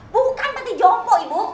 bukan panti jompo ibu